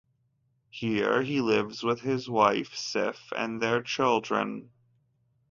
Here he lives with his wife Sif and their children.